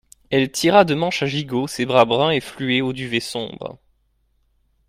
Elle tira de manches à gigot ses bras bruns et fluets au duvet sombre.